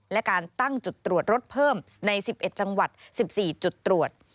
และการตั้งจุดตรวจรถเพิ่มใน๑๑จังหวัด๑๔จุดตรวจ